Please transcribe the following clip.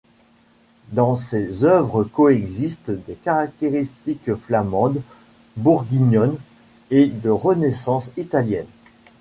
Dans ses œuvres coexistent des caractéristiques flamandes, bourguignonnes, et de Renaissance italienne.